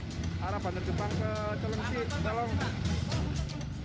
kualitas arah bantar gebang ke celengsit tolong